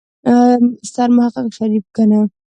سرمحقق شريف کنه.